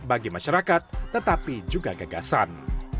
bagi masyarakat tetapi juga gagasan